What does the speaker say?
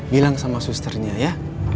bilang sama susternya ya